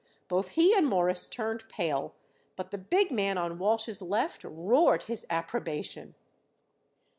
Both he and Morris turned pale, but the big man on Walsh's left roared his approbation.